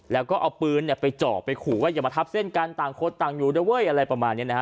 แล้วก็เอาปืนเนี่ยไปเจาะไปขู่ว่าอย่ามาทับเส้นกันต่างคนต่างอยู่ด้วยอะไรประมาณนี้นะฮะ